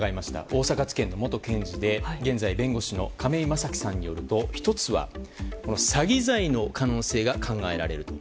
大阪地検の元検事で現在弁護士の亀井正貴さんによると１つは詐欺罪の可能性が考えられると。